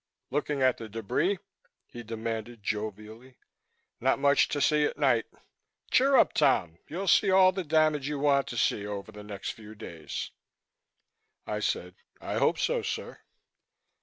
"Looking at the debris?" he demanded jovially. "Not much to see at night. Cheer up, Tom. You'll see all the damage you want to see over the next few days." I said, "I hope so, sir."